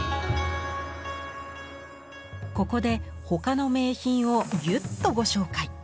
ここで他の名品をぎゅっとご紹介。